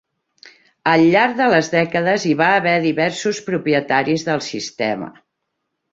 Al llarg de les dècades hi va haver diversos propietaris del sistema.